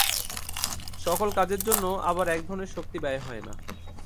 সকল কাজের জন্য আবার এক ধরনের শক্তি ব্যয় হয় না।